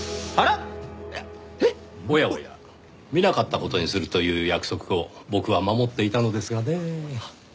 見なかった事にするという約束を僕は守っていたのですがねぇ。